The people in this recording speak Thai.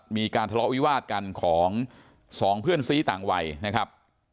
มีการทะเลาะวิวาดกันของสองเพื่อนซี้ต่างวัยนะครับ